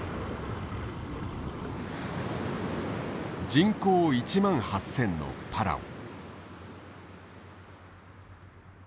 人口１万８，０００のパラオ。